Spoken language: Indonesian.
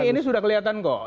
ini sudah kelihatan kok